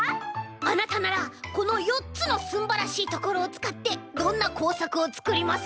あなたならこのよっつのすんばらしいところをつかってどんなこうさくをつくりますか？